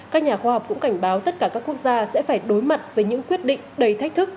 các nhà khoa học cũng cảnh báo tất cả các quốc gia sẽ phải đối mặt với những quyết định đầy thách thức